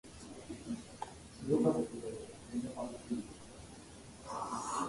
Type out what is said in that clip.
They are the Kan fibrations over a point.